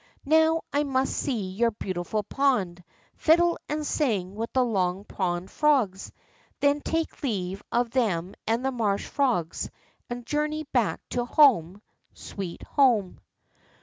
How I must see your beautiful pond, fiddle and sing with the Long Pond frogs, then take leave of them and the marsh frogs, and journey hack to home, sweet home.